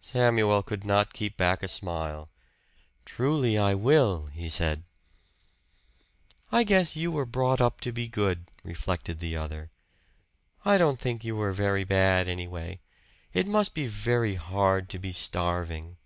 Samuel could not keep back a smile. "Truly I will," he said. "I guess you were brought up to be good," reflected the other. "I don't think you were very bad, anyway. It must be very hard to be starving."